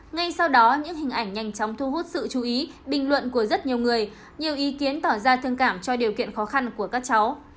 ngay sau đó những hình ảnh nhanh chóng thu hút sự chú ý bình luận của rất nhiều người nhiều ý kiến tỏ ra thương cảm cho điều kiện khó khăn của các cháu